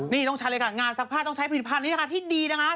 นี่ต้องใช้เลยค่ะงานซักผ้าต้องใช้ผลิตภัณฑ์นี้นะคะที่ดีนะคะ